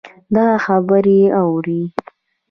دغـه خبـرې اورې